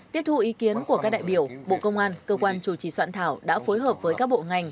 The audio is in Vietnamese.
tiếp thu ý kiến của các đại biểu bộ công an cơ quan chủ trì soạn thảo đã phối hợp với các bộ ngành